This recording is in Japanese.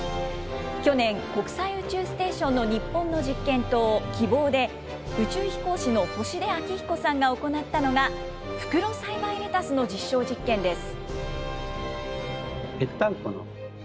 去年、国際宇宙ステーションの日本の実験棟きぼうで、宇宙飛行士の星出彰彦さんが行ったのが袋栽培レタスの実証実験です。